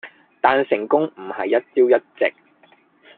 但成功唔係一朝一夕。